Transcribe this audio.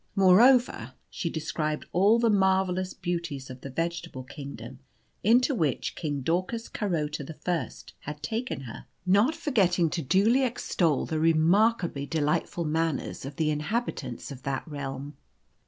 Moreover she described all the marvellous beauties of the vegetable kingdom into which King Daucus Carota the First had taken her, not forgetting to duly extol the remarkably delightful manners of the inhabitants of that realm.